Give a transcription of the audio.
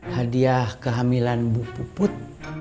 hadiah kehamilan ibu puput